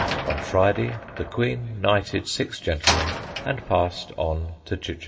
On Friday, the Queen knighted six gentlemen and passed on to Chichester.